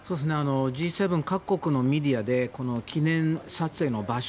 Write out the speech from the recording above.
Ｇ７各国のメディアで記念撮影の場所